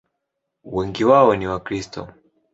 Wengi wao ni Wakristo.